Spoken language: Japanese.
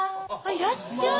いらっしゃい！